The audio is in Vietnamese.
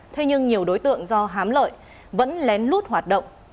thế nhưng nhiều đối tượng do hám lợi vẫn lén lút hoạt động